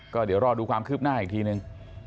ก็เดี๋ยวรอดูความคืบหน้าอีกทีนึง